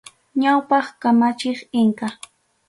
Ñawpaq kamachiq inka.